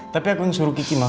tapi aku yang suruh kiki ma